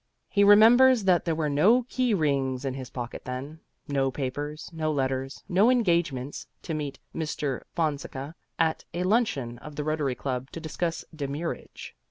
He remembers that there were no key rings in his pocket then, no papers, no letters, no engagements to meet Mr. Fonseca at a luncheon of the Rotary Club to discuss demurrage.